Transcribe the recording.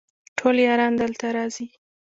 ټول یاران دلته راځي